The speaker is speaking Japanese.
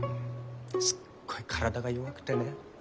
すっごい体が弱くてね。